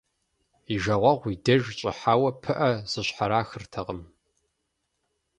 И жагъуэгъу и деж щӀыхьауэ пыӀэ зыщхьэрахыртэкъым.